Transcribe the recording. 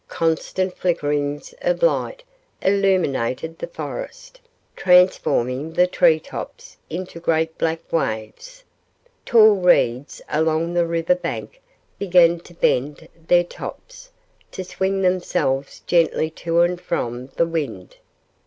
Constant flickerings of lightning illuminated the forest, transforming the tree tops into great black waves. Tall reeds along the river bank began to bend their tops, to swing themselves gently to and from the wind.